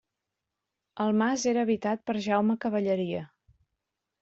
El mas era habitat per Jaume Cavalleria.